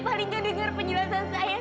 paling gak dengar penjelasan saya